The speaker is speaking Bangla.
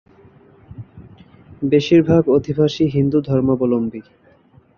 বেশীরভাগ অধিবাসী হিন্দু ধর্মাবলম্বী।